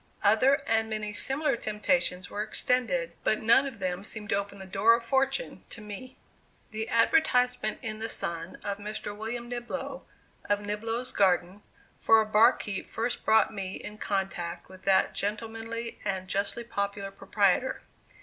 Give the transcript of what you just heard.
Other and many similar temptations were extended, but none of them seemed to open the door of fortune to me. The advertisement in the Sun, of Mr. William Niblo, of Niblo's Garden, for a barkeeper first brought me in contact with that gentlemanly and justly popular proprietor.